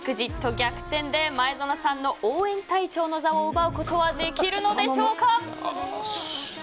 逆転で前園さんの応援隊長の座を奪うことはできるのでしょうか。